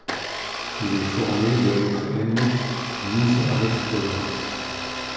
Il est formé de la lettre n mise en exposant.